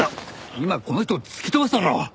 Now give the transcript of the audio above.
今この人を突き飛ばしたろ！